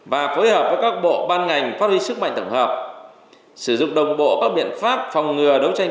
và phối hợp với các bộ ban ngành phát huy sức mạnh tổng hợp sử dụng đồng bộ các biện pháp phòng ngừa đấu tranh